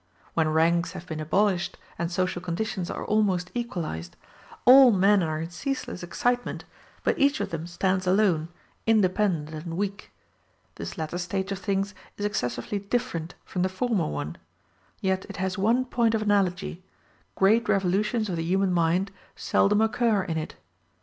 When ranks have been abolished and social conditions are almost equalized, all men are in ceaseless excitement, but each of them stands alone, independent and weak. This latter state of things is excessively different from the former one; yet it has one point of analogy great revolutions of the human mind seldom occur in it.